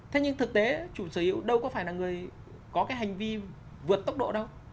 thế nhưng thực tế chủ sở hữu đâu có phải là người có cái hành vi vượt tốc độ đâu